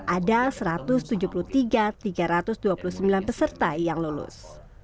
ada satu ratus tujuh puluh tiga tiga ratus dua puluh sembilan peserta yang lulus